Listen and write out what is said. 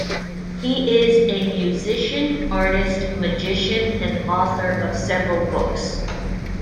He is a musician, artist, magician and author of several books.